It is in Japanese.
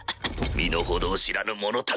身の程を知らぬ者たちよ